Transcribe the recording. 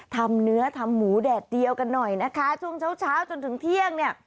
ทำเนื้อทำหมูแดดเดียวกันหน่อยนะคะช่วงเช้าเช้าจนถึงเที่ยงเนี่ย